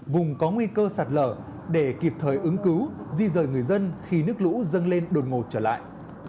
vùng có nguy cơ sạt lở để kịp thời ứng cứu di rời người dân khi nước lũ dâng lên đột ngột trở lại